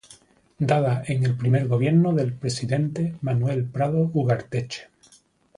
Dada en el primer gobierno del Presidente Manuel Prado Ugarteche.